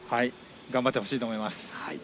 頑張ってほしいと思います。